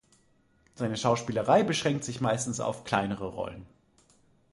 Seine Schauspielerei beschränkt sich meistens auf kleinere Rollen.